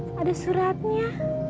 eh ada suratnya